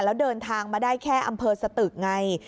แล้วเดินทางมาได้แค่อำเภอสตึกไง